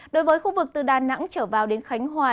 đối với khu vực từ đà nẵng trở vào đến khánh hòa